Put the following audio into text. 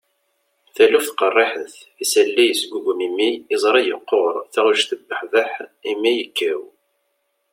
taluft qerriḥet, isalli yesgugum imi, iẓri yeqquṛ, taɣect tebbuḥbeḥ, imi yekkaw